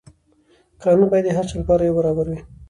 قانون باید د هر چا لپاره یو برابر وي.